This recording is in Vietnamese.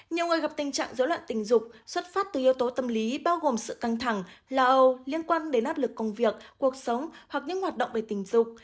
nhiều người gặp tình trạng dối loạn tình dục xuất phát từ yếu tố tâm lý bao gồm sự căng thẳng lo âu liên quan đến áp lực công việc cuộc sống hoặc những hoạt động về tình dục